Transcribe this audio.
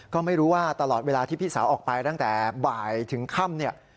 ก็ไม่รู้ว่าตลอดเวลาที่พี่สาวออกไปตั้งแต่บ่ายถึงค่ำเนี่ย